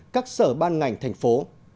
các sở ban ngành thành phố